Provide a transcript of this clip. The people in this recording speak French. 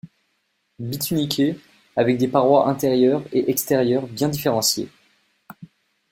Bituniquées, avec des parois intérieures et extérieure bien différenciées.